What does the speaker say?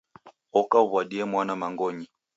Oka uw'adie mwana mangonyi.